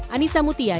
anissa mutia jakarta